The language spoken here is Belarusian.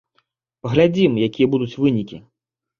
Паглядзім, якія будуць вынікі.